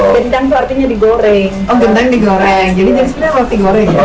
gendang itu artinya digoreng oh gendang digoreng jadi jadinya roti goreng ya